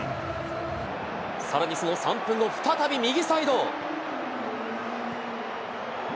さらに、その３分後、再び右サイド。